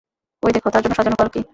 ঐ দেখো, তার জন্য সাজানো পালকি।